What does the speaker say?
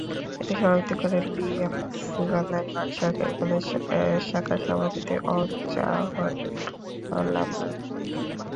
এতে সভাপতিত্ব করেন বিএমএসসি বান্দরবান সরকারি কলেজ শাখার সভাপতি অংচাহ্লা মারমা।